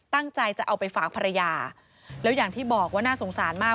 ตั้งใจจะเอาไปฝากภรรยาแล้วอย่างที่บอกว่าน่าสงสารมาก